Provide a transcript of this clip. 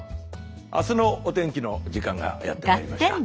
あすのお天気の時間がやってまいりました。